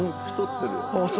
太ってるよ。